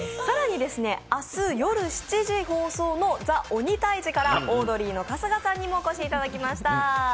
更に明日夜７時放送の「ＴＨＥ鬼タイジ」からオードリーの春日さんにもお越しいただきました。